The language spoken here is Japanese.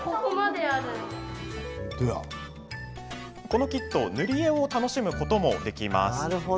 このキット塗り絵を楽しむこともできます。